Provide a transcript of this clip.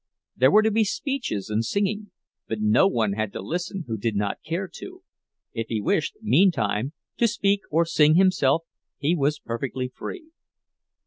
There were to be speeches and singing, but no one had to listen who did not care to; if he wished, meantime, to speak or sing himself, he was perfectly free.